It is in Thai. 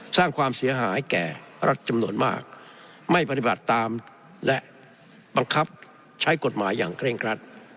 สร้างความเสียหายแก่รัฐจำนวนมากไม่ปฏิบัติตามและบังคับใช้กฎหมายอย่างเคร่งครัด